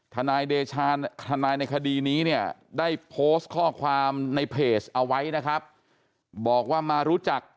ทนายเดชาทนายในคดีนี้เนี่ยได้โพสต์ข้อความในเพจเอาไว้นะครับบอกว่ามารู้จัก